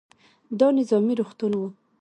دا نظامي روغتون و.